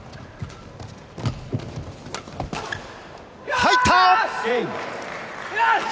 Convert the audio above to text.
入った！